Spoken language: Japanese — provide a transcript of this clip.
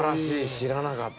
知らなかった。